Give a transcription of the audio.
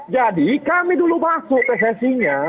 jadi kami dulu masuk pssi nya